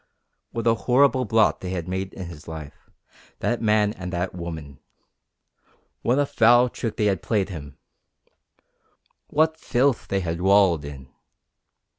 What a horrible blot they had made in his life that man and that woman! What a foul trick they had played him! What filth they had wallowed in!